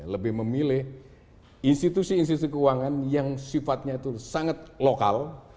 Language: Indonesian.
lebih memilih institusi institusi keuangan yang sifatnya itu sangat lokal